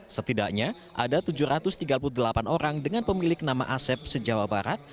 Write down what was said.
setidaknya ada tujuh ratus tiga puluh delapan orang dengan pemilik nama asep se jawa barat